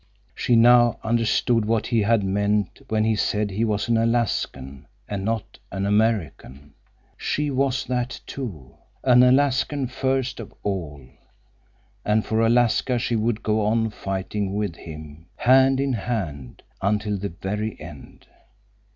She now understood what he had meant when he said he was an Alaskan and not an American; she was that, too, an Alaskan first of all, and for Alaska she would go on fighting with him, hand in hand, until the very end.